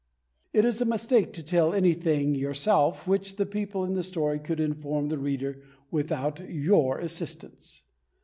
It is a mistake to tell anything yourself which the people in the story could inform the reader without your assistance.